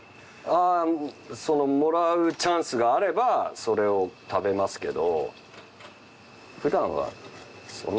あもらうチャンスがあればそれを食べますけど。